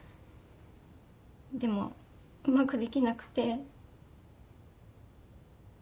でもうまくできなくて。